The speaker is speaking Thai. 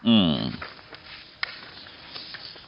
อืม